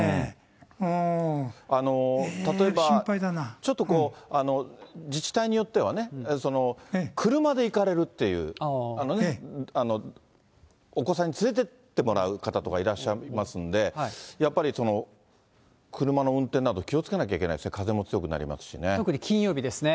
ちょっと、自治体によってはね、車で行かれるっていう、お子さんに連れてってもらう方とかいらっしゃいますので、やっぱり車の運転など気をつけなきゃいけないですね、特に金曜日ですね。